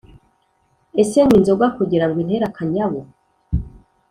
Ese nywa inzoga kugira ngo intere akanyabu